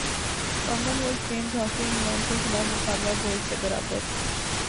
common wealth games hockey England کیخلاف مقابلہ goals سے برابر